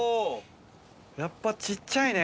やっぱ小っちゃいね。